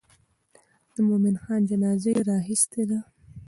د مومن خان جنازه یې راخیستې ده.